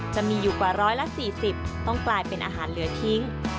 จะมีอยู่กว่า๑๔๐ต้องกลายเป็นอาหารเหลือทิ้ง